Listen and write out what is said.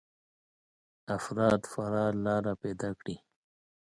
افراد فرار لاره پيدا کړي.